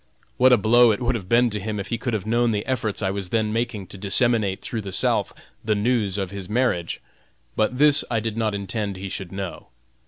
What a blow it would have been to him if he could have known the efforts I was then making to disseminate through the South the news of his marriage; but this I did not intend he should know.